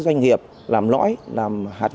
các doanh nghiệp làm lõi làm hạt hạt